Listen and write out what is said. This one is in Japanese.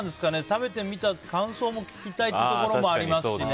食べてみた感想も聞きたいところもありますし。